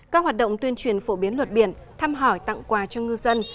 các hoạt động tuyên truyền phổ biến luật biển thăm hỏi tặng quà cho ngư dân